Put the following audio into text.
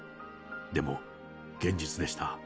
でも現実でした。